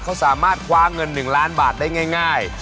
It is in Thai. เขาสามารถคว้าเงิน๑ล้านบาทได้ง่าย